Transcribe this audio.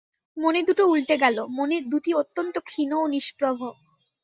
মণিদুটো উল্টে গেল, মণির দ্যুতি অত্যন্ত ক্ষীণ ও নিম্প্রভ।